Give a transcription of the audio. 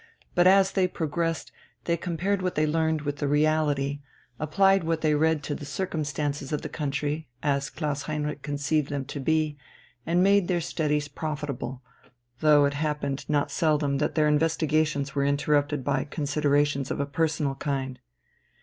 But as they progressed, they compared what they learned with the reality, applied what they read to the circumstances of the country, as Klaus Heinrich conceived them to be, and made their studies profitable, though it happened not seldom that their investigations were interrupted by considerations of a personal kind.